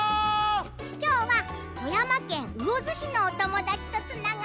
きょうは富山県魚津市のおともだちとつながっているよ。